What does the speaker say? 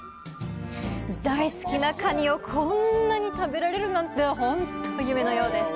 大好きなカニをこんなに食べられるなんてほんと夢のようです。